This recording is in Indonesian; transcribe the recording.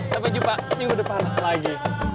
sampai jumpa minggu depan lagi